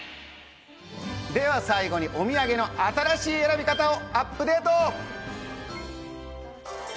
最後にお土産の新しい選び方をアップデート。